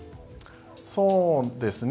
そうですね。